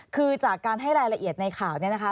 คือจากการให้รายละเอียดในข่าวเนี่ยนะคะ